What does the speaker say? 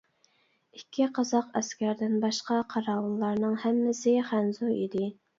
«ئىككى قازاق» ئەسكەردىن باشقا قاراۋۇللارنىڭ ھەممىسى خەنزۇ ئىدى.